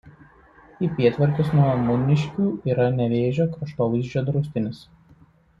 Į pietvakarius nuo Muniškių yra Nevėžio kraštovaizdžio draustinis.